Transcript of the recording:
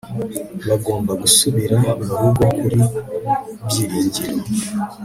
bagomba gusubira murugo kuri byiringiro